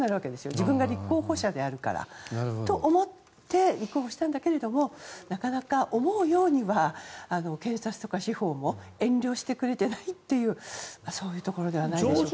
自分が立候補者であるから。と思って、立候補したんだけどなかなか思うようには警察とか司法も遠慮してくれてないというそういうところではないでしょうか。